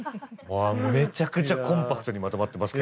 めちゃくちゃコンパクトにまとまってますけれども。